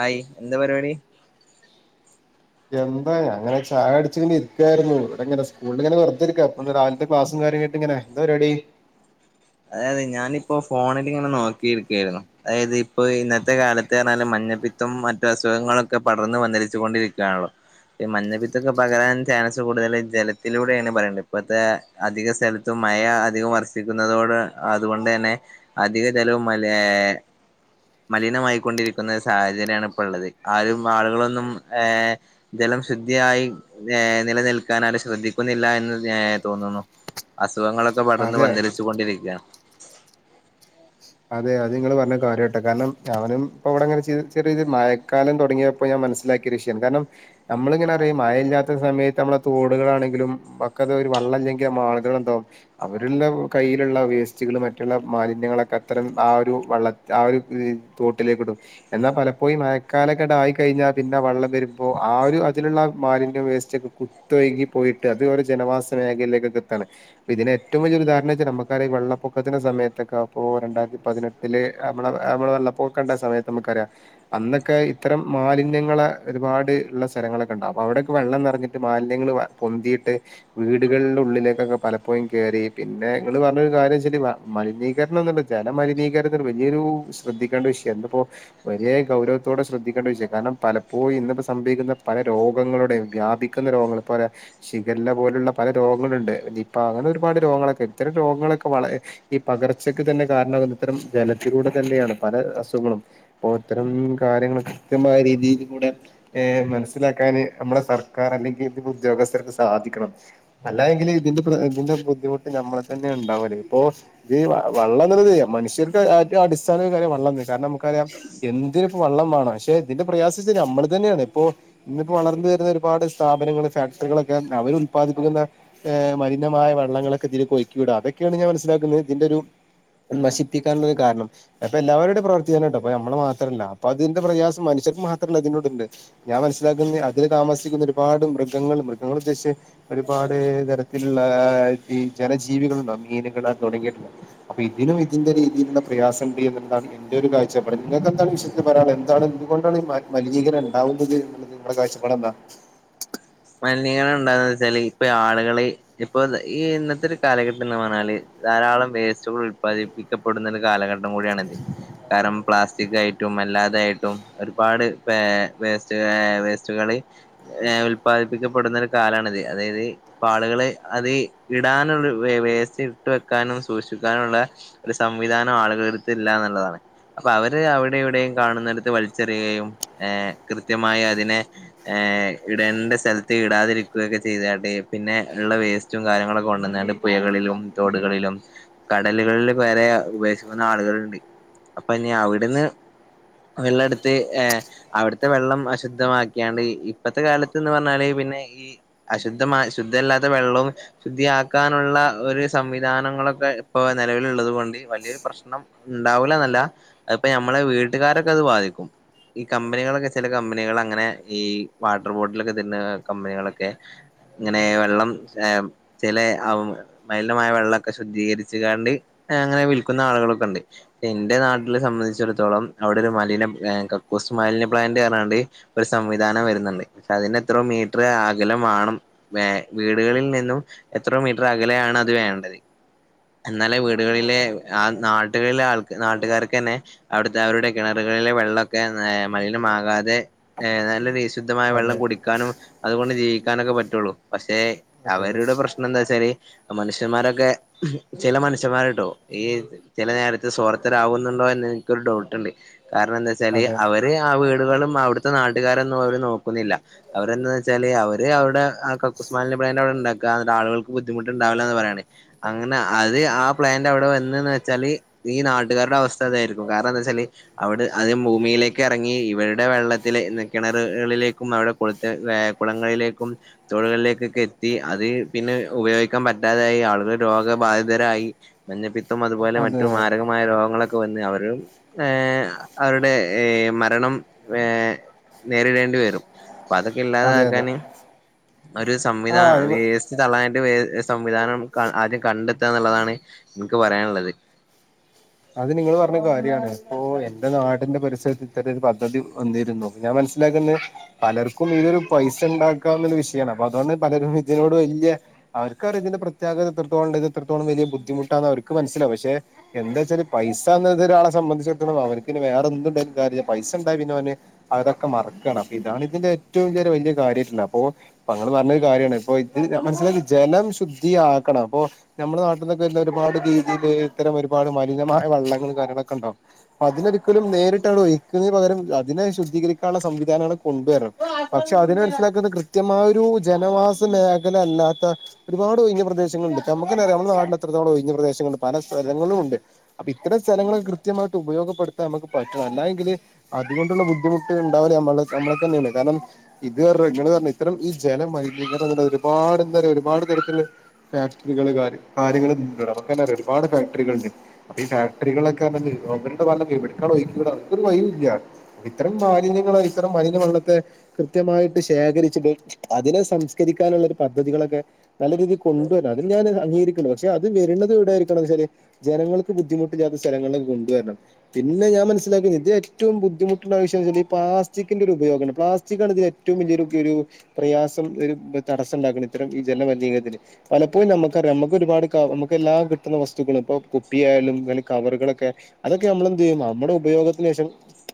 ഹയ് എന്താ പരിപാടി? എന്താ ഞാങ്ങനെ ചായ കുടിച്ചിങ്ങനെ ഇരിക്കായിരുന്നു. ഇവിടിങ്ങനെ സ്കൂളിൽ ഇങ്ങനെ വെറുതെരിക്ക. അപ്പൊ രാവിലത്തെ ക്ലാസും കാര്യായിട്ടിങ്ങനെ. ന്താ പരിപാടി? അതെ അതെ ഞാനിപ്പോ ഫോണിൽങ്ങനെ നോക്കിയിരിക്കായിന്നു അതായത് ഇപ്പൊ ഇന്നത്തെ കാലത്ത് പറഞ്ഞാലല് മഞ്ഞപ്പിത്തും മറ്റു അസുഖങ്ങളൊക്കെ പടർന്ന് വന്നരിച്ചുക കൊണ്ടിരിക്കുകയാണല്ലോ മഞ്ഞപ്പിത്തൊക്കെ പകരാൻ ചാൻസ് കൂടുതൽ ജലത്തിലൂടെയാണ് പറയത് ഇപ്പത്തെ അധിക സ്ഥലത്തും മഴ അധികം വർഷിക്കുന്ന തോട് അതുകൊണ്ട് തന്നെ അധിക ചലവും മല മലിനമായിക്കൊണ്ടിരിക്കുന്ന സാഹചര്യണ് ഇപ്പ ഉള്ളത് ആരും ആളുകളൊന്നും ഏ ജലം ശുദ്ധിയായി ഏർ നിലനിൽക്കാൻ ആരെ ശ്രദ്ധിക്കുന്നില്ല എന്ന് ഏ തോന്നുന്നു അസുഖങ്ങളൊക്കെ പടർന്ന് അതെ വന്നിരിച്ചുകൊണ്ടിരിക്കയാണ് അതെ അത് നിങ്ങങ്ങള് പറഞ്ഞ കാര്യം കേട്ടെ കാരണം അവനും ഇപ്പൊ ഇവിടെങ്ങനെ ചെറിയ ച മയ കാലം തുടങ്ങിയപ്പോ ഞാൻ മനസ്സിലാക്കിയ ഒരുഷയൻ കാരണം നമ്മളിങ്ങനെ അറിയ മഴയില്ലാത്ത സമയത്ത് നമ്മള തോടുകളാണെങ്കിലും പക്കത ഒരു വള്ളംമല്ലെങ്കിൽ മാളുകൾ ഉണ്ടാവും അവരുള്ള കയ്യിലുള്ള വേസ്റ്റുകള് മറ്റുള്ള മാലിന്യങ്ങളൊക്കെ അത്തരം ആ ഒരു വള്ള ആ ഒരു തോട്ടിലേക്ക് ഇടും എന്നാൽ പലപ്പോയും മഴക്കാലൊക്കെട ആയി കഴിഞ്ഞാൽ പിന്നെ വെള്ളം വരുമ്പോ ആ ഒരു അതിലുള്ള മാലിന്യം വേസ്റ്റ് ഒക്കെ ത്തഴകി പോയിട്ട് അത് ജനവാസ മേഖലയിലേക്കൊക്കെ എത്താണ് ഇതിനെ ഏറ്റവും വലിയ ഒരു ഉദാരണ വച്ചാ നുക്കാ വെള്ളപ്പൊക്കത്തി സയത്തക്കെ അപ്പോൊ രണ്ടായിരത്തി പതിനെട്ടില് നമ്മള് നമ്മെ വെള്ള പൊക്കേണ്ട സമയത്ത് നമുക്കറിയാം അന്നൊക്കെ ഇത്തരം മാലിന്യങ്ങളെ ഒരുപാട് ഉള്ള സ്ഥലങ്ങളൊക്കെ ഉണ്ടാകും അ അവിടെയൊക്കെ വെള്ളം നിറഞ്ഞിട്ട് മാലിന്യങ്ങള് പൊന്തിട്ട് വീടുകളുടെ ഉള്ളിലേക്കൊക്കെ പലപ്പോഴും കയറി പിന്നെ ങ്ങള് പറഞ്ഞൊ കാര്യം വെച്ചാല് മലിനീകരണം ജനമലിനീകരത്തിൽ വലിയൊരു ശ്രദ്ധിക്കേണ്ട വിഷയം എന്തപ്പോ ഒരേ ഗൗരവത്തോടെ ശ്രദ്ധിക്കേണ്ട ചോ കാരണം പലപ്പോഴും ഇന്നിപ്പോ സംഭവിക്കുന്ന പല രോഗങ്ങളുടെ വ്യാപ കുന്ന രോഗങ്ങൾ പറയാ ശിഖര പോലുള്ള പല രോഗങ്ങളുണ്ട് ഇപ്പൊ അങ്ങനെ ഒരുപാട് രോഗങ്ങളൊക്കെ ഇത്തരം രോഗങ്ങളൊക്കെ വള ഈ പകർച്ചക്ക് തന്നെ കാരണമാകുന്ന ഇത്തരം ജലത്തിലൂടെ തന്നെയാണ് പല അസുഖങ്ങളും അപ്പോ ഇത്തരം കാര്യങ്ങൾ കൃത്യമായ രീതിയില കൂടെ മനസ്സിലാക്കാന് നമ്മുടെ സർക്കാർ അല്ലെങ്കിൽ ഇ ഉദ്യോഗസ്ഥർക്ക് സാധിക്കണം അല്ലായെങ്കിൽ ഇതിന്റെ ഇതിന്റെ ബുദ്ധിമുട്ട് നമ്മളെ തന്നെ ഉണ്ടാവല്ലോ ഇപ്പൊ ഇത് വള്ളം മനുഷ്യർക്ക് ഏറ്റ അടിസ്ഥാന കാര്യം വെള്ള കാരണം നമക്കറിയാം എന്തിന ഇപ്പ വള്ളം വേണം പക്ഷെ ഇതിന്റെ പ്രയാസം നമ്മൾ തന്നെയാണ് ഇപ്പൊ ഇന്നിപ്പോ വളർന്ന വരുന്ന ഒരുപാട് സ്ഥാപനങ്ങൾ ഫാക്ടറികളൊക്കെ അവര് ഉല്പാദിപ്പിക്കുന്ന ഏ് മിനമായ വള്ളങ്ങളൊക്കെ ഇതിൽഴക്കി വിടുക അതൊക്കെയാണ് ഞാൻ മനസിലാക്കുന്നത് ഇതിന്റെ ഒരു നശിപ്പിക്കാനുള്ളത് കാരണം അപ്പൊ എല്ലാവരുടെ പ്രവർത്തിക്കാനാട്ടോ അപ്പൊ നമ്മള് മാത്രല്ല അപ്പ അതിന്റെ പ്രയാസം മനുഷർക്ക് മാത്രല്ല അതിനോട്ണ്ട് ഞാൻ മനസ്സിലാക്കുന്ന അതില് താമസിക്കുന്ന ഒരുപാട് മൃഗങ്ങൾ മൃഗങ്ങള ഉദ്ദേശച്ച് ഒരുപാട് തരത്തിലുള്ള ഈ ജനജീവികളുണ്ടോ മീനുകളാ തുടങ്ങിയ ഇതിനും ഇതിന്റെ രീതിയിലുള്ള പ്രയാസം ഉണ്ട് എന്നണ് എന്റെ ഒരു കാഴ്ച നിങ്ങൾക്ക് എന്താണ് വിശയത്തിൽ എന്താണ് എന്തുകൊണ്ടാണ് മലിനീകരണം ഉണ്ടാവുന്നത് ങ്ങളെ കാഴ്ചപാടെന്താ മലിനീകണ ഉണ്ടാന്ന് വെച്ചാല് ഇപ്പൊ ആള്കള് ഇപ്പൊ ഈ ഇന്നത്തെ ഒരു കാലഘട്ടം എന്ന് പറഞ്ഞാല് ധാരാളം വേസ്റ്റുകൾ ഉല്പാദിപ്പിക്കപ്പെടുന്ന ഒരു കാലഘട്ടം കട കാരണം പ്ലാസ്റ്റിക് അല്ലാതൊയിട്ടും ഒരുപാട് വേസ്റ്റ് വേസ്റ്റുകൾ ഉപ്പാദിപ്പിക്കപ്പെടുന്ന ഒരു കാലാണത് അതായത് അപ്പൊ ആളുകള് അത് ഇടാനുള്ള വേസ് ഇട്ട വെക്കാനും സൂക്ഷിക്കാനുംള്ള ഒരു സംവിധാനം ആളുകളട്ത്ത് ഇല്ല എന്നുള്ളതാണ് അപ്പൊ അവര് അവിടെ ഇവിടെയും കാണുന്നടുത്ത് വലിച്ചെറിയുകയും ഏ കൃത്യമായി അതിനെ ഏഹ് [unintelligible] സ്ഥലത്ത് ഇടാതിരിക്കുകയൊക്കെ ചെയ്തായിട്ടെ പിന്നെ ഉള്ള വേസ്റ്റും കാര്യങ്ങളൊക്കെ കൊണ്ടുവന്നാണ്ട് പുഴകളിലും തോടുകളിലും കടലുകളിൽ വരെ ഉപേശിക്കുന്ന ആളുകളുണ്ട് അപ്പൊഞ് അവിടുന്ന് വെള്ളം എടുത്ത് ഹ് അവിടുത്തെ വെള്ളം അശുദ്ധമാക്കിയാണ്ട് ഇപ്പഴത്തെ കാലത്ത്ന്ന് പറഞ്ഞ പിന്നെ ഈ അശുദ്ധ ശുദ്ധല്ലാത്ത വെള്ളവും ശുദ്ധിയാക്കാനുള്ള ഒരു സംവിധാനങ്ങളൊക്കെ ഇപ്പൊ നിലവിലുള്ളത് കൊണ്ട് വലിയൊരു പ്രശ്നം ഉണ്ടാവൂല എന്നല്ല അതിപ്പ ഞമ്മളെ വീട്ടുകാരൊക്കെ അത് ബാധിക്കും ഈ കമ്പനികളൊക്കെ ചില കമ്പനികൾ അങ്ങനെ ഈ വാട്ടർ ബോട്ടിലൊക്കെ തരുന്ന കമ്പനികളൊക്കെ ഇങ്ങനെ വെള്ളം ചില മലിനമായ വെള്ളമൊക്കെ ശുദ്ധീകരിച്ച കാണ്ട് അങ്ങനെ വിൽക്കുന്ന ആളുകളൊക്കെ ഉണ്ട് എൻന്റെറെ നാട്ടെ സംബന്ധിച്ചിടത്തോളം അവിടെ ഒരു മലിന കക്കൂസ് മലിന പ്ലാന്റ് കയറാണ്ട് ഒരു സംവിധാനം വരുന്നുണ്ട് പക്ഷെ അതിന് എത്രോ മീറ്റർ അകലം വണം വേ വീടുകളിൽ നിന്നും എത്രോ മീറ്റർ അകലെയാണ് അത് വേണ്ടത് എന്നാല വീടുകളിലെ ആഹ് നാട്ടുകളിലെ ആൾ നാട്ടുകാർക്ക് തന്നെ അവിടുത്തെ അവരുടെ കിണറുകളിലെ വെള്ളമൊക്കെ മലിനമാകാതെ നല്ല രീ ശുദ്ധമായ വെള്ളം അതെ കുടിക്കാനും അതുകൊണ്ട് ജീവിക്കാനൊക്കെ പറ്റുള്ളൂ പക്ഷെ അതെ അവരുടെ പ്രശ്ന എന്താച്ചരി മനുഷ്യന്മാരൊക്കെ ചില മനുഷ്യന്മാർട്ടോ ഈ ചില നേരത്തെ സോർത്തരകുന്നുണ്ടോ എന്ന് എനിക്കൊരു ഡൗട്ടുണ്ട് കാരണം എന്താ ച്ച അതെ അവര് ആ വീടുകളും അവിടുത്തെ നാട്ടുകാരൊന്നും അവര് നോക്കുന്നില്ല അവരെന്താന്ന് വെച്ചാല് അവര് അവരുടെ ആ കക്കുസ്മാലി അവിടെണ്ടാക്ക അ ആളുകക്ക ബുദ്ധിമുട്ടുണ്ടാവില്ലന്ന് പറയണാണ് അങ്ങനെ അത് ആ പ്ലാന്റ് അവിടെ വന്നന്ന് വെച്ചാല് ഈ നാട്ടുകാടെ അവസ്ഥ ഇതായിരിക്കും കാരണം എന്താ വെച്ചാല് അവിടെ അത് ഭൂമിയിലേക്ക് ഇറങ്ങി ഇവരുടെ വെള്ളത്തിലെ കിണറുകളിലേക്കും അവിടെ കുളത്തെ കുളങ്ങളിലേക്കും തോടുകളിലേക്കൊക്കെ എത്തി അത് പിന്നെ ഉപയോഗിക്കാൻ പറ്റാതെയായി ആളുകൾ രോഗബാധിതരായി മഞ്ഞപ്പിത്തും അതുപോലെ അതെ മറ്റു മാരക മായ രോഗങ്ങളൊക്കെ വന്ന് അവരും ഏ അവരുടെ മരണം ഏ നേരിടേണ്ടി വരും അപ്പൊ അതൊക്കെ അതെ അതെ ഇല്ലാതാക്കാാന് ഒരു ആ സംവിധാന്യ തള്ളാനായിട്ട് വേ സംവിധാനം ആദ്യം കണ്ടെത്തുക എന്നുള്ളതാണ് എനിക്ക് പറയാനുള്ളത് അത് നിങ്ങള് പറഞ്ഞ കാര്യാണ് ഒ എന്റെ നാടിന്റെ പരിസരത്ത് ഇത്ര ഒരു പദ്ധതി വന്നിരുന്നു ഞാൻ മനസ്സിലാക്കുന്നത് പലർക്കും ഇതൊരു പൈസ ഉണ്ടാക്കാവുന്ന ഒരു വിഷയമാണ് അപ്പൊ അതുകൊണ്ട് പലരും ഇതിനോട് വല്ല്യ അവർക്ക് അറ ഇതിന്റെ പ്രത്യാകത എത്രത്തോളം ഇത് എത്രത്തോളം വലിയ ബുദ്ധിമുട്ടാന്ന് അവർക്ക് മനസ്സിലാ പക്ഷെ എന്താ വച്ചാൽ പൈസ എന്ന ഒരാളെ സംബന്ധിച്ചിടത്തളം അവർക്ക്ന് വേറെ എന്തുണ്ടായാലും കാര്യല്ല പൈസണ്ടായി പിന്നെ അവന് അതൊക്കെ മറക്കണം അപ്പൊ ഇതാണ് ഇതിന്റെ ഏറ്റവും ചിയ വലിയ കാര്യ അപ്പൊ അപ്പൊ അങ്ങനെ പറഞ്ഞൊരു കാര്യമാണ് ഇപ്പൊ ഇത് മനസിലാക്കി ജലം ശുദ്ധിയക്കണം അപ്പൊ നമ്മുടെ നാട്ടിൽന്നൊക്കെല്ല ഒരുപാട് രീതിയില് ഇത്തരം ഒരുപാട് മലിനമായ വള്ളങ്ങൾ കാര്യങ്ങളൊക്കെ ഉണ്ടാവും അ അതിനൊരിക്കലും നേരിട്ടാണ്വി ഒഹിക്കുന്നന് പകരം അതിനെ ശുദ്ധീകരിക്കാനുള്ള സംവിധാനങ്ങൾ കൊണ്ടുവരണം പക്ഷെ അതിന് മനസിലാക്കുന്ന കൃത്യമായൊരു ജനവാസ മേഖല അല്ലാത്ത ഒരുപാട് ഒഴിഞ്ഞ പ്രദേശൾണ്ട് നമുക്കറ നമ്മുടെ നാട്ടില് എത്രത്തോളം ഒഴിഞ്ഞ പ്രദേശങ്ങളുണ്ട് പല സ്ഥലങ്ങളും ഉണ്ട് അപ്പൊ ഇത്തരം സ്ഥലങ്ങൾ കൃത്യമായിട്ട് ഉപയോഗപ്പെടുത്താൻ നമുക്ക് പറ്റും അല്ലെങ്കില് അതുകൊണ്ടുള്ള ബുദ്ധിമുട്ട് ഉണ്ടാവലേ നമ്മള നമ്മളക്ക്‌ ന്നെയാണ് കാരണം ഇത് ഇങ്ങെ പറഞ്ഞ ഇത്തരം ഈ ജനമലിനീകര ഒരുപാട് എന്താറയ ഒരുപാട് തരത്തില് ഫാക്ടറികൾ കാര്യ കാര്ങ്ങൾ അവൊക്കന്നെറ ഒരുപാട് ഫാക്ടറികളുണ്ട് അപ്പ ഈ ഫാക്ടറികളൊക്കെ അെ അവരുടെ [unintelligible] ഇത്തരം മാലിന്യങ്ങള ഇത്തരം മലിന വള്ളത്തെ കൃത്യമായിട്ട് ശേഖരിച്ചിട്ട് അതിനെ സംസ്കരിക്കാനുള്ള ഒരു പദ്ധതികളൊക്കെ നല്ല രീതിയിൽ കൊണ്ടുവരാണം അത് ഞാൻ അംഗീകരിക്കുള്ള പക്ഷെ അത് വരുന്നുന്നത് ഇടെയിരിക്കണച്ച ജനങ്ങൾക്ക് ബുദ്ധിമുട്ടില്ലാത്ത സ്ഥലങ്ങളിൽക്ക കൊണ്ടുവരണം പിന്നെ ഞാ മനസിലാക്ക ഇത് ഏറ്റവും ബുദ്ധമട്ടണ്ട വിഷ്യം വെച്ചാൽഈ പ്ലാസ്റ്റിന്റെ ഒരു ഉപയോഗമാണ് പ്ലാസ്റ്റിക്കാണ് ഇത ഏറ്റവും വലിയൊരു ഒരു പ്രയാസം തടസ്സം ഉണ്ടാക്കണം ഇത്തരം ഈ ജല മലിനീരത്തിന് പലപ്പോഴും നമുക്കറിയാം നമുക്ക് ഒരുപാട് ക നമക്ക് എല്ലാ കിട്ടുന്ന വസ്തുക്കും ഇപ്പൊ കു പ്പി ആയാലും എ കവറുകളൊക്കെ അതൊക്കെ നമ്മളെന്ത്തു ചെയ്യും നമ്മുടെ ഉപയോഗത്തിന് ശേഷം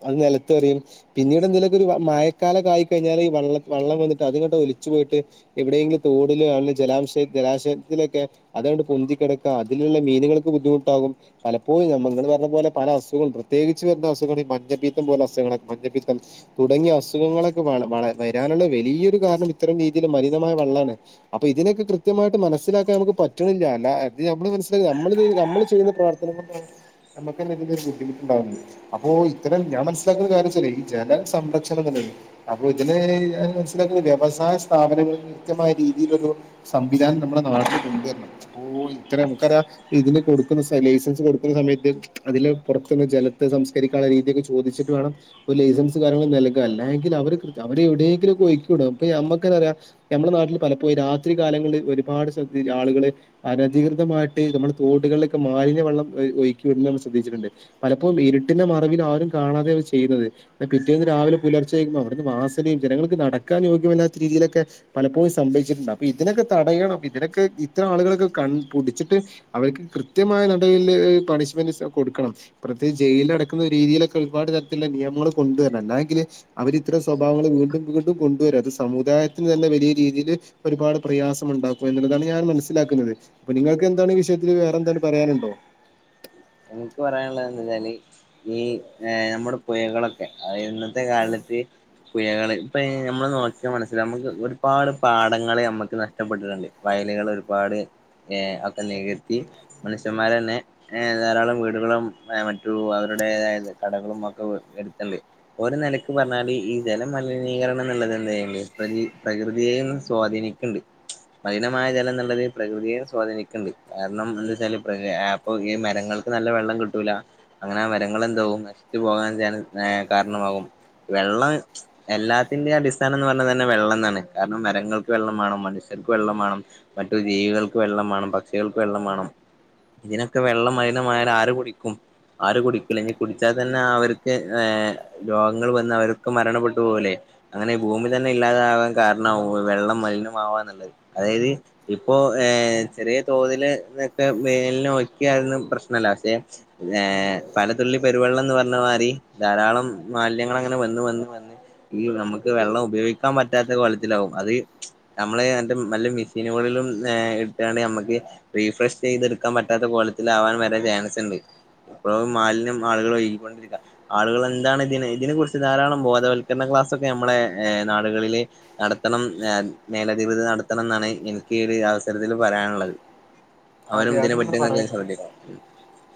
അത് നിലത്തെറിയും- പിന്നീട് എന്തേലൊക്ക ഒരു മയക്കാല കായി കഴിഞ്ഞാല് ഈ വള്ളം വെള്ളം വന്നിട്ട് അത്ങ്ങട്ട് ഒലിച്ചു പോയിട്ട് എവിടെയെങ്കിലും തോടിലോ അ ജലാംശയ ജലാശയത്തിലൊക്കെ അതുകൊണ്ട് പൊന്തി കിടക്കുക അതിലുള്ള മീനുകൾക്ക് ബുദ്ധിട്ടാകും. പലപ്പോഴും നമ്മൾ പറഞ്ഞ പോലെ പല അസുഖും പ്രത്യേകിച്ച് വരുന്ന അസുഖങ്ങളാണ് ഈ മഞ്ഞപ്പീത്തം പോലെ അസുഖങ്ങൾ മഞ്ഞപ്പീത്തം. തുടങ്ങിയ അസുഖങ്ങളൊക്കെ വ വരാനുള്ള വലിയൊരു കാരണം ഇത്തരം രീതിൽ മലിന്യമായ വെള്ളാണ്. അപ്പൊ ഇതിനൊക്കെ കൃത്യമായിട്ട് മനസ്സിലാക്കാൻ നമുക്ക് പറ്റണില്ല അല്ല അത് നമ്മള് മനസ്സിലാക്ക നമ്മള് നമ്മള്ച്ചെ ചെയ്യുന്ന പ്രവർത്തനം ഒക്കെ നമുക്ക് എന്തെകിലും ബുദ്ധിമുട്ട് ഉണ്ടാവുന്നേ അപ്പോ ഇത്തരം ഞാൻ മനസ്സിലാക്കുന്ന കാര്യന്തേച്ചാൽ ഈ ജലസംരക്ഷണം തന്നെയാണ്. അപ്പൊ ഇതിനെ ഞാൻ മനസ്സിലാക്കുന്നത് വ്യവസായ സ്ഥാപനങ്ങൾ കൃത്യമായ രീതിയിലൊരു സംവിധാനം നമ്മുടെ നാട്ടിലിൽ കൊണ്ടുവരണം അപ്പോ ഇത്ര നമുക്കറിയ ഇതിനെ കൊടു ലൈസൻസ് കൊടുക്കുന്ന സമയത്ത് അതില് പുറത്തുന്ന് ജലത്ത് സംസ്കരിക്കാനുള്ള രീതിക്കെ ചോദിച്ചിട്ട് വേണം ഒരു ലൈസൻസ് കാര്യങ്ങൾ നൽകാ അല്ല എങ്കിൽ അവര് അവിടെ എവിടെയെങ്കിലും ഒയിക്കിവിടും അപ്പ മ്മക്കതറിയ നമ്മുടെെ നാട്ടില് പലപ്പോഴും രാത്രികാലങ്ങളിൽ ഒരുപാട് സ്ഥലത്ത് ആളുകള് അനധികൃതമായിട്ട് നമ്മുടെ തോടുകളിലൊക്കെ മാലിന്യ വെള്ളം ഒഴിക്കിടുന്നത് നമ്മൾ ശ്രദ്ധിച്ചിട്ടുണ്ട്. പലപ്പോഴും ഇരുട്ടിന്റെ മറവിൽ ആരും കാണാതെയാണ് ചെയ്യുന്നത്. പിറ്റേന്ന് രാവിലെ പുലർച്ചെഴക്കുമ്പോ അവിടെന്ന് വാസനയും ജനൾക്ക് നടക്കാൻ യോഗ്യമല്ലാത്ത രീതിയിലൊക്കെ പലപ്പോഴും സംഭവിച്ചിട്ടുണ്ട് അപ്പൊ ഇതിനൊക്കെ തടയണം ഇതിനൊക്കെ ഇത്ര ആളുകളൊക്കെ കൺ പുടിച്ചിട്ട് അവർക്ക് കൃത്യമായ നടയില് പണിഷ്മെന്റ് സ കൊടുക്കണം. പ്രത്യേകിച്ച് ജയിലിൽ അടയ്ക്കുന്ന ഒരു രീതിയിലൊക്കെ ഒരുപാട് തരത്തിലുള്ള നിയമങ്ങൾ കൊണ്ടുവരണം അല്ലെയെങ്കില് അവരിത്രയും സ്വഭാവങ്ങൾ വീണ്ടും വീണ്ടും കൊണ്ടുവരും അത് സമുദായത്തിന് തന്നെ വലിയ രീതിയിയില് ഒരുപാട് പ്രയാസം ഉണ്ടാക്കും എന്നുള്ളതാണ് ഞാൻ മനസ്സിലാക്കുന്നത് അപ്പൊ നിങ്ങൾക്ക് എന്താണ് വിഷയത്തിൽ വേറെന്താണ് പറയാനുണ്ടോ? എനിക്ക് പറയാനുള്ളത് എച്ചാല് ഈ നമ്മുടെ പുയകളൊക്കെ അയ് ഇന്നത്തെ കാലത്ത്- പുയകള് ഇപ്പ നമ്മള് നോക്കിയ മനസ്സിലാവും നമുക്ക് ഒരുപാട് പാടങ്ങള് നമ്മുക്ക് നഷ്ടപ്പെട്ടിട്ടുണ്ട്. വയലുകള് ഒരുപാട് ഏ ഒക്കെ നികത്തി മനുഷ്യന്മാര് ന്നെ ഏഹ് ധാരാളം വീടുകളും മറ്റു അവരുടതായ കടകളും ഒക്കെ എടുത്തണ്ട്. ഒരു നെലക്ക് പറഞ്ഞാല് ഈ ജല മലിനീകരണം എന്നുള്ളത് എന്ത ചെയ്യ പ്ര പ്രകൃതിയെയും സ്വാധീനിക്ക മലിനമായ ജലം നല്ലതിൽ പ്രകൃതിയെ സ്വാധീനിക്കണ്ട് കാരണം എന്ത വച്ചാൽ പ്രക് [unintelligible] ഓഹ് ഊ മരങ്ങൾക്ക് നല്ല വെള്ളം കിട്ടൂല- അങ്ങനെ ആ മരങ്ങൾ എന്താവും നശിച്ചു പോകാൻ കാരണമാകും വെള്ളം- എല്ലാത്തിന്റെയും അടിസ്ഥാനം എന്ന് പറഞ്ഞാൽ തന്നെ വെള്ളം എന്നാണ് കാരണം മരങ്ങൾക്ക് വെള്ളം വേണം മനുഷ്യർക്ക് വെള്ളം വേണം. മറ്റു ജീവികൾക്ക് വെള്ളം വേണം പക്ഷികൾക്ക് വെള്ളം വേണം ഇതിനെ- വെള്ളം മലിനമായാൽ ആര് കുടിക്കും ആര് കുടിക്കൂല ഇഞ്ഞി കുടിച്ചാൽ തന്നെ അവരിക്ക് രോഗങ്ങള് വന്ന് അവരൊക്കെ മരണപ്പെട്ടു പോകൂലെ അങ്ങനെ ഈ ഭൂമി തന്നെ ഇല്ലാതാകാൻ കാരണംആകും വെള്ളം മലിനംമാവാന്നുള്ളത്. അതായത് ഇപ്പോ എഹ് ചെറിയ തോതില് ഇതൊക്കെ വേനല് ക്കെയലൊന്നും പ്രശ്നല്ല പക്ഷെ- ഏഹ് പലതുള്ളി പെരുവെള്ളം എന്ന് പറഞ്ഞ മാരി ധാരാളം മാലിന്യങ്ങൾ അങ്ങനെ വന്ന് വന്ന് വന്ന് ഈ നമുക്ക് വെള്ളം ഉപയോഗിക്കാൻ പറ്റാത്ത കോലത്തിലാവും അത് നമ്മള് നല്ല മെഷീനുകളിലും ഇട്ടുകാണ്ട് നമുക്ക് റീഫ്രഷ് ചെയ്തെടുക്കാൻ പറ്റ പറ്റാത്ത കോലത്തിലാവാൻ വരെ ചാൻസ് ഉണ്ട് ഇപ്പോ മാലിന്യം ആളുകൾ ഒഴുകിക്കൊണ്ടിരിക്ക ആളുകൾ എന്താണ് ഇതിന് ഇതിനെ കുറിച്ച് ധാരാളം ബോധവൽക്കരണ ക്ലാസ്സൊക്കെ നമ്മളെ നാടുകളില് നടത്തണം മേലധികൃതർ നടത്തണം എന്നാണ് എനിക്ക് അവസരത്തിൽ പറയാനുള്ളത്. അതെ അവരും ഇതിനെ അത് നിങ്ങൾ പറ്റിന്നൊക്കെ പറയ ശ്രദ്ധിക്കണം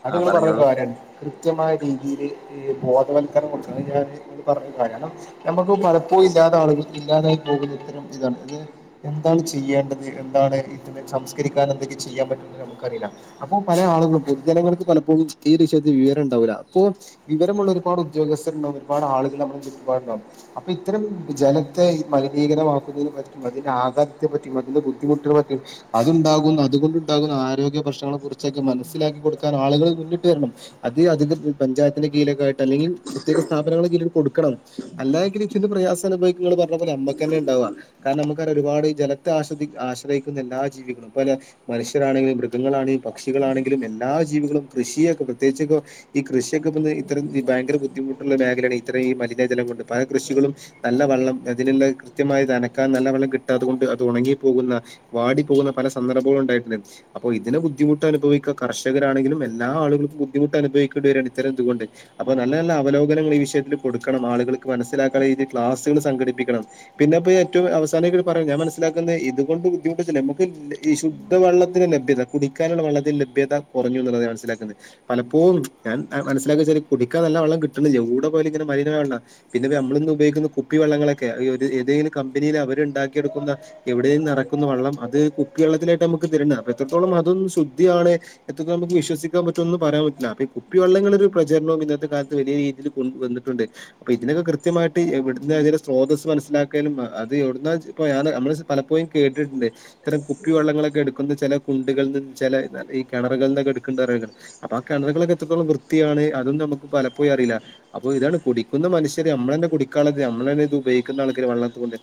അത് ആഹ് നിങ്ങൾ പറഞ്ഞ പറഞ്ഞോളൂ- കാര്യമാണ് കൃത്യമായ രീതിയിയില് ഈ ബോധവൽക്കരണം കൊണ്ട്വരണം ഞാൻ പറഞ്ഞ കാരണം നമ്മുക്ക് പലപ്പോഴും ഇല്ലാത ആളുകൾ ഇല്ലാതായി പോകുന്ന ഇത്തരം ഇതാണ് അത് എന്താണ് ചെയ്യേണ്ടത് എന്താണ് സംസ്കരിക്കാൻ എന്തൊക്കെ ചെയ്യാൻ പറ്റും നമുക്കറിയില്ല അപ്പൊ പല ആളുകളും പൊതു ജനങ്ങൾക്ക് പലപ്പോഴും ഈ വിഷയത്തിൽ വിവരം ഇണ്ടാവുല അപ്പൊ വിവരമുള്ള ഒരുപാട് ഉദ്യോഗസ്ഥരുണ്ടാവും ഒരുപാട് ആളുകള് നമ്മുടെ ചുറ്റുപാടുണ്ടാവും അപ്പൊ ഇത്തരം ജനത്തെ മലിനീകരമാക്കുന്നതിനെ പറ്റും അതിന്റെ ആഘാതത്തെ പറ്റിയും അതിന്റെ ബുദ്ധിമുട്ടിനെ പറ്റിയും അതുണ്ടാകുന്ന അതുകൊണ്ടുണ്ടാകുന്ന ആരോഗ്യ പ്രശ്നങ്ങളെ കുറിച്ചൊക്കെ മനസ്സിലാക്കി കൊടുക്കാൻ ആളുകള് മുന്നിട്ട് വരണം അത് അതിൻ്റെ പഞ്ചായത്തിന്റെ കീഴിലൊക്കെ ആയി അല്ലെങ്കിൽ പ്രത്യേക സ്ഥാപനങ്ങൾ കൊടുക്കണം അല്ലാഎങ്കിൽ ഇതിന്റെ പ്രയാസനുഭവിക്ക ഇങ്ങള് പറഞ്ഞ പോലെ നമ്മക്കെന്നെ ഇണ്ടാവാ കാരണം നമുക്ക് അറിയ ഒരുപാട് ജലത്തെ ആശ്ര ആശ്രയിക്കുന്ന എല്ലാ ജീവികളും പല മനുഷ്യരാണെങ്കിലും മൃഗങ്ങളാണങ്കിലും പക്ഷികളാണെങ്കിലും എല്ലാ ജീവികളും കൃഷിയൊക്കെ പ്രത്യേകിച്ചൊകെ ഈ കൃഷിയൊക്കെ ഇ ഇത്രം ഭയങ്കര ബുദ്ധിമുട്ടുള്ള മേഖലയാണ് ഇത്രേ ഈ മലിനജലം കൊണ്ട് പല കൃഷികളും നല്ല വെള്ളം അതിനെല്ല കൃത്യമായ നനക്കാൻ നല്ല വെള്ളം കിട്ടാത്തത് കൊണ്ട് അത് ഒണങ്ങിപ്പോകുന്ന വാടി പോകുന്ന പല സന്ദർഭങ്ങളും ഉണ്ടായിട്ട്ണ്ട് അപ്പ ഇതിന് ബുദ്ധിമുട്ട് അനുഭവിക കർഷകരാണെങ്കിലും എല്ലാളുകൾക്കും ബുദ്ധിമുട്ട് അനുഭവികേണ്ടിവരാണ് ഇത്തരം ഇത് കൊണ്ട് അപ്പൊ നല്ല നല്ല അവലോകനങ്ങൾ ഈ വിഷയത്തിൽ കൊടുക്കണം ആളുകൾക്ക് മനസ്സിലാക്കുന്ന രീതിയിൽ ക്ലാസ്സുകൾ സംഘടിപ്പിക്കണം പിന്നെപ്പൊ ഏറ്റവും അവസാനമായിട്ട് പറയാം ഞാൻ മനസ്സിലാക്കുന്നത് ഇതുകൊണ്ട് ബുദ്ധിമുട്ടത്തില്ല നമുക്ക് വെള്ളത്തിന് ലഭ്യത കുടിക്കാനുള്ള വെള്ളത്തിൽ ലഭ്യത കുറഞ്ഞു എന്നുള്ളത് മനസ്സിലാക്കുന്നത് പലപ്പോഴും ഞാൻ മനസ്സിലാക്കി വെച്ചൊരു കുടിക്കാൻ നല്ല വെള്ളം കിട്ട്ണ് ല്ല എവ്ടെ പോയാലും ഇങ്ങനെ മലീനമായ വെള്ളാ പിന്നെ നമ്മളിന്ന് ഉപയോഗിക്കുന്ന കുപ്പി വെള്ളങ്ങളൊക്കെ അയ്യൊ ഏതെങ്കിലും കമ്പനിയിൽ അവരിണ്ടാക്കിയെടുക്കുന്ന എവിടെ നെറക്കുന്ന വെള്ളം അത് കുപ്പി വെള്ളത്തിലായിട്ട് നമുക്ക് തരുന്ന അപ്പൊ എത്രത്തോളം അതൊന്നു ശുദ്ധിയാണ് എത്രതോളം വിശ്വസിക്കാൻ പറ്റൊന്ന് പറയാൻ പറ്റൂല അപ്പ കുപ്പിവള്ളങ്ങളുടെ ഒരു പ്രചരണവും ഇന്നത്തെ കാലത്ത് വലിയ രീതിയിൽ വന്നിട്ടുണ്ട് അപ്പൊ ഇതിനൊക്കെ കൃത്യമായിട്ട് എവിടന്ന് ഇതിന്റെ സ്രോതസ് മനസിലാക്കാനും അത് എവിടുന്ന ഇപ്പോ നമ്മ സം പലപ്പോഴും കേട്ടിട്ടുണ്ട് ഇത്തരം കുപ്പിവെള്ളങ്ങളൊക്കെ എടുക്കുന്ന ചെല കുണ്ടുകളിൽ നിന്ന് ചെല ഈ കിണറുകളിൽ നൊക്കെ എടുക്ക്ണ്ട് പറിണേക്ക അപ്പൊ ആ കിണറകളൊക്കെ എത്രത്തോളം വൃത്തിയാണ് അതന്നും നമുക്ക് പലപ്പോഴും അറിയില്ല അപ്പൊ ഇതാണ് കുടിക്കുന്ന മനുഷ്യര് നമ്മള് തന്നെ കുടിക്കാനുള്ളത് നമ്മള് തന്നെ ഇത് ഉപയോഗിക്കുന്ന ആൾക്കാര് വെള്ളത്തുൻ്റെ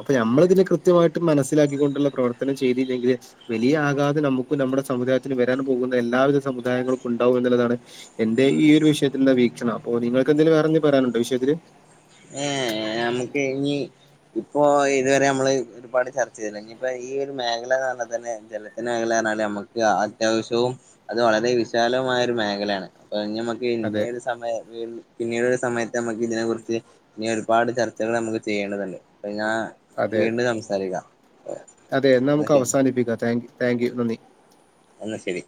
അപ്പൊ നമ്മള് ഇതിന് കൃത്യമായിട്ട് മനസ്സിലാക്കിക്കൊണ്ടുള്ള പ്രവർത്തനം ചെയ്തിലെങ്കില് വലിയ ആകാതം നമുക്കും നമ്മുടെ സമുദായത്തിനും വരാൻ പോകുന്ന എല്ലാവിധ സമുദായങ്ങൾക്കും ഉണ്ടാവും എന്നുള്ളതാണ് എന്റെ ഈ ഒരു വിഷയത്തിന്റെ വീക്ഷണം അപ്പോ നിങ്ങക്ക് എന്തെലും വേറെന്തങ്കിലും പറയാനുണ്ടോ വിഷയത്തില് ഏഹ് നമുക്ക് ഇഞ്ഞി ഇപ്പോ ഇതുവരെ നമ്മള് ഒരുപാട് ചർച്ച ചെയ്തില്ലേ ഇനി ഇപ്പ ഈ ഒരു മേഖല എന്ന് പറഞ്ഞാൽ തന്നെ ജലത്തിന്റെ മേഖല പറഞ്ഞാല് നമുക്ക് അത്യാവശ്യവും അത് വളരെ വിശാലമായ ഒരു മേഖലയാണ് അപ്പൊ ഇഞ്ഞ്മ്മക്ക് അതെ പിന്നേരു സമയത് പിന്നീട് ഒരു സമയത്ത് നമ്മക്ക് ഇതിനെ കുറിച്ച് ഇനി ഒരുപാട് ചർച്ചകൾ നമുക്ക് ചെയ്യേണ്ടതല്ലേ പിന്നാ അതെ അതെ എന്നാ നമുക്ക് ശരി അവസാനിപ്പിക്കാ താങ്ക്യു താങ്ക്യു നന്ദി എന്നാ ശരി